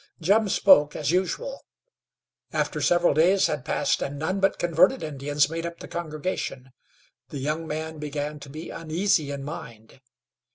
Jim spoke, as usual. After several days had passed and none but converted Indians made up the congregation, the young man began to be uneasy in mind.